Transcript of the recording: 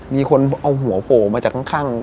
มีคนเอาหัวโผล่มาจากข้าง